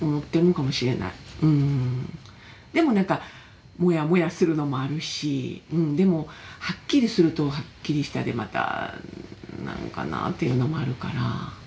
でもなんかモヤモヤするのもあるしでもはっきりするとはっきりしたでまたなんかなっていうのもあるから。